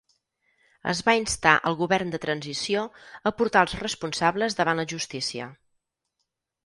Es va instar el govern de transició a portar els responsables davant la justícia.